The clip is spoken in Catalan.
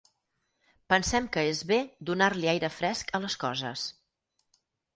Pensem que és bé donar-li aire fresc a les coses.